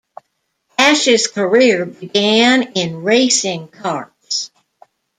Ash's career began in racing karts.